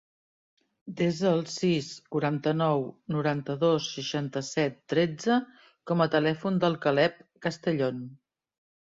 Desa el sis, quaranta-nou, noranta-dos, seixanta-set, tretze com a telèfon del Caleb Castellon.